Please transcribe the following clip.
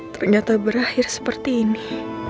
ternyata berakhir seperti ini